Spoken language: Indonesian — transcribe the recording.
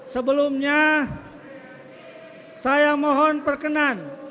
sebelumnya saya mohon perkenan